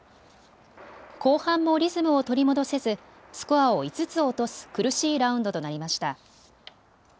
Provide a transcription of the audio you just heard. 後半もリズムを取り戻せずスコアを５つ落とす苦しいラウンドとなりました。